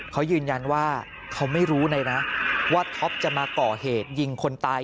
เขายืนยันว่าเขาไม่รู้เลยนะว่าท็อปจะมาก่อเหตุยิงคนตาย